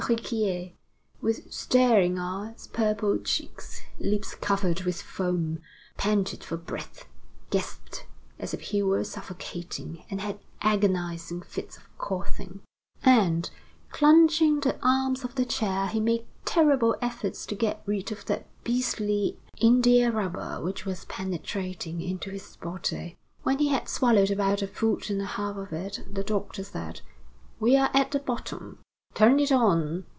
Riquier, with staring eyes, purple cheeks, lips covered with foam, panted for breath, gasped as if he were suffocating, and had agonizing fits of coughing; and, clutching the arms of the chair, he made terrible efforts to get rid of that beastly india rubber which was penetrating into his body. When he had swallowed about a foot and a half of it, the doctor said: "We are at the bottom. Turn it on!"